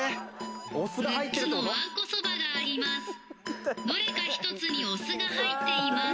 ６つのわんこそばがあります。